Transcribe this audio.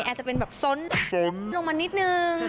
แอร์จะเป็นแบบส้นส้นลงมานิดหนึ่ง